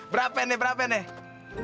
berapa nih berapa nih